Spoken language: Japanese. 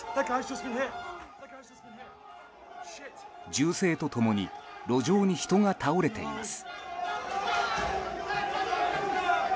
銃声と共に路上に人が倒れています。